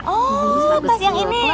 oh tas yang ini